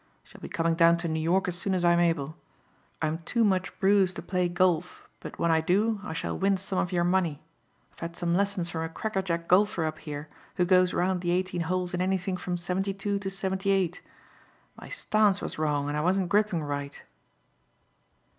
I shall be coming down to New York as soon as I'm able. I'm too much bruised to play golf but when I do I shall win some of your money. I've had some lessons from a crackerjack golfer up here who goes round the eighteen holes in anything from seventy two to seventy eight. My stance was wrong and I wasn't gripping right."